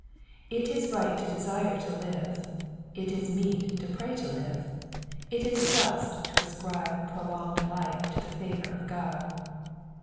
It is right to desire to live, it is meet to pray to live, it is just to» ascribe prolonged life to the favour of God.